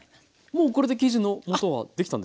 もうこれで生地のもとはできたんですね？